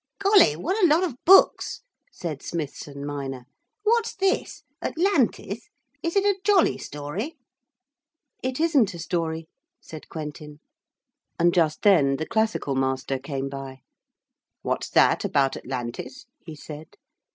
'Golly, what a lot of books,' said Smithson minor. 'What's this? Atlantis? Is it a jolly story?' 'It isn't a story,' said Quentin. And just then the classical master came by. 'What's that about Atlantis?' he said.